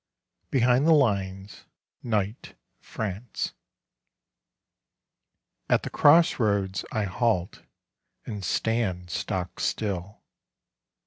BEHIND THE LINES: NIGHT, FRANCE At the cross roads I halt And stand stock still....